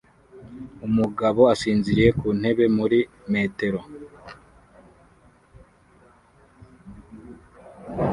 Umugabo asinziriye ku ntebe muri metero